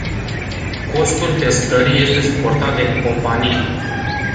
Costul testării este suportat de companie.